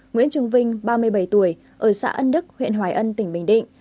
nguyễn trường vinh ba mươi bảy tuổi ở xã ân đức huyện hoài ân tỉnh bình định